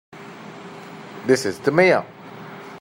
This is the Mayor.